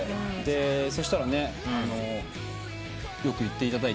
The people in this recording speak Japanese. そしたらねよく言っていただいて。